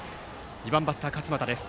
２番バッター、勝亦の打席です。